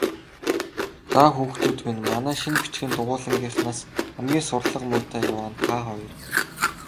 Заа, хүүхдүүд минь, манай шинэ бичгийн дугуйлангийнхнаас хамгийн сурлага муутай яваа нь та хоёр.